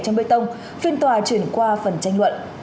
nguyễn tông phiên tòa chuyển qua phần tranh luận